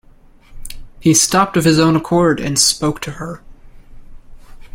He stopped of his own accord and spoke to her.